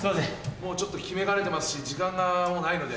もうちょっと決めかねてますし時間がもうないので。